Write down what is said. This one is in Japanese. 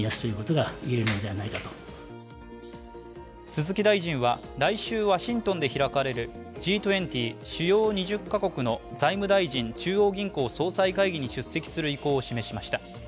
鈴木大臣は、来週ワシントンで開かれるＧ２０＝主要２０か国の財務大臣・中央銀行総裁会議に出席する意向を示しました。